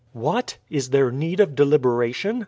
"What! is there need of deliberation?"